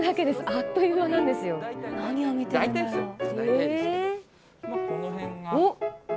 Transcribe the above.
あっという間なんですよ。何を見てるんだろう。